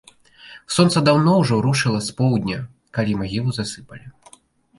Сонца даўно ўжо рушыла з поўдня, калі магілу засыпалі.